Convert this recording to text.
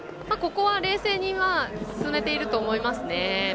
ここは冷静に進めていると思います。